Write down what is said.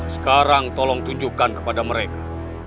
sekarang tolong tunjukkan kepada mereka